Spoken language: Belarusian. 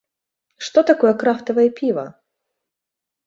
Што такое крафтавае піва?